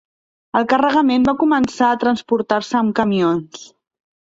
El carregament va començar a transportar-se amb camions.